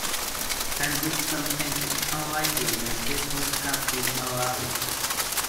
Hendriksen thinks it unlikely that this would have been allowed.